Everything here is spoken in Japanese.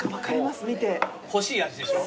欲しい味でしょ？